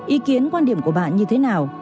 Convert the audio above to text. ý kiến quan điểm của bạn như thế nào